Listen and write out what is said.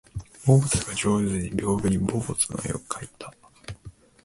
坊主が上手に屏風に坊主の絵を描いた